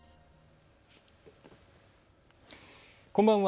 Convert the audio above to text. こんばんは。